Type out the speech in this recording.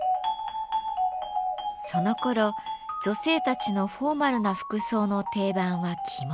そのころ女性たちのフォーマルな服装の定番は着物。